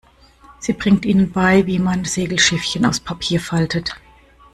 Sie bringt ihnen bei, wie man Segelschiffchen aus Papier faltet.